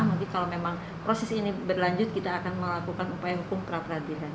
mungkin kalau memang proses ini berlanjut kita akan melakukan upaya hukum perapradilan